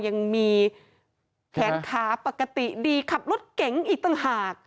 ยังมีแขนขาปกติดีขับรถเก๋งอีกต่างหาก